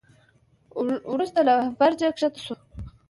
وروسته له برجه کښته شو.